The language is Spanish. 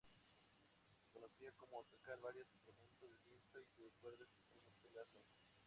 Conocía como tocar varios instrumentos de viento y de cuerda, especialmente la flauta.